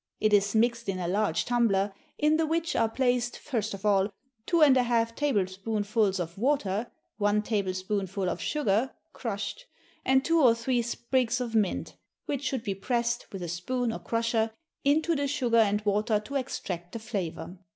It is mixed in a large tumbler, in the which are placed, first of all, two and a half tablespoonfuls of water, one tablespoonful of sugar (crushed), and two or three sprigs of mint, which should be pressed, with a spoon or crusher, into the sugar and water to extract the flavour.